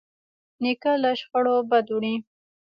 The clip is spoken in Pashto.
نیکه له شخړو بد وړي.